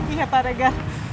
iya pak rega